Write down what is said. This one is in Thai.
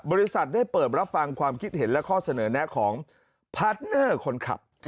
บริษัทได้เปิดรับฟังความคิดเห็นและข้อเสนอแนะของพาร์ทเนอร์คนขับ